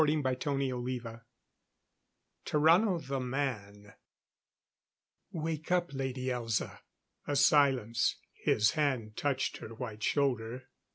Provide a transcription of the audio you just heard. "_ CHAPTER XXVII Tarrano the Man "Wake up, Lady Elza." A silence. His hand touched her white shoulder.